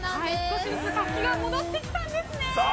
少しずつ活気が戻ってきたんですね。